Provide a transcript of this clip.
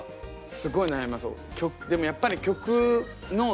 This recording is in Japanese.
すごい悩みます。